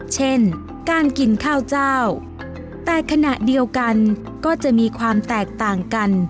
เช่นการกินข้าวเจ้าแต่ขณะเดียวกันก็จะมีความแตกต่างกัน